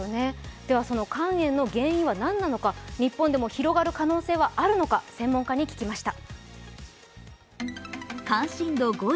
肝炎の遠因は何なのか日本でも広がる可能性があるのか専門家に聞きました。